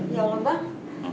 ya om lombang